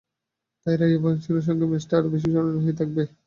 তবে রায়ো ভায়েকানোর সঙ্গে ম্যাচটা আরও বেশি স্মরণীয় হয়ে থাকবে অন্য কারণে।